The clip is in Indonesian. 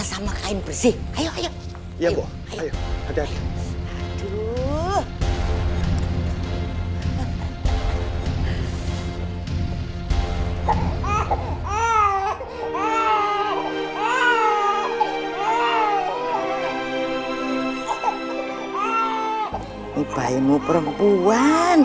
cantik seperti biunya